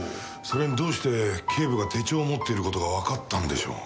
それにどうして警部が手帳を持っている事がわかったんでしょう？